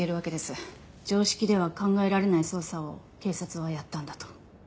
常識では考えられない捜査を警察はやったんだと。